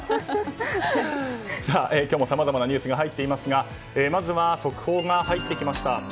さあ、今日もさまざまなニュースが入っていますがまずは速報が入ってきました。